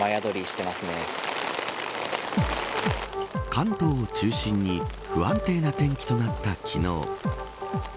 関東を中心に不安定な天気となった昨日。